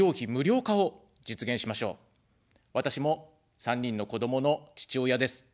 私も３人の子どもの父親です。